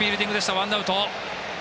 ワンアウト。